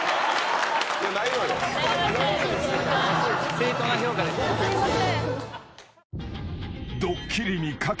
正当な評価でね。